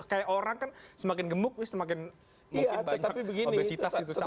kayak orang kan semakin gemuk semakin mungkin banyak obesitas itu sama